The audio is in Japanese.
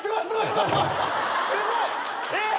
すごい！えっ！？